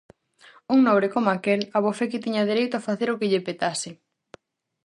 Un nobre coma aquel abofé que tiña dereito a facer o que lle petase!